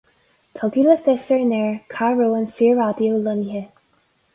Tugadh le fios ar an aer cá raibh an Saor-Raidió lonnaithe.